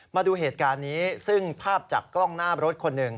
มาดูเหตุการณ์นี้ซึ่งภาพจากกล้องหน้ารถคนหนึ่ง